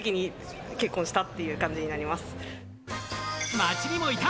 街にもいた！